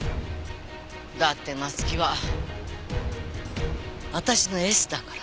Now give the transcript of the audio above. だって松木は私のエスだから。